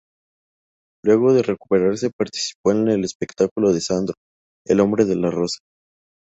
Luego de recuperarse participó en el espectáculo de Sandro "El hombre de la Rosa".